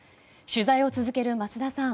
取材を続ける桝田さん